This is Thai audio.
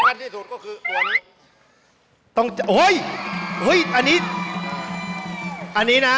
อันที่สุดก็คือวันนี้ต้องจะโอ้ยเฮ้ยอันนี้อันนี้นะ